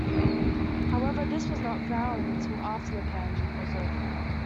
However, this was not found out until after the pageant was over.